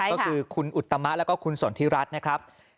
ก็คือคุณอุตมะแล้วก็คุณสนทิรัฐนะครับ